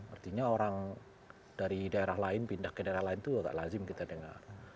artinya orang dari daerah lain pindah ke daerah lain itu agak lazim kita dengar